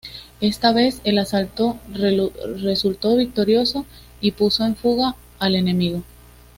Esta vez el asalto resultó victorioso y puso en fuga al enemigo.